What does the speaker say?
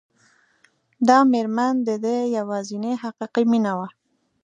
دا مېرمن د ده يوازېنۍ حقيقي مينه وه.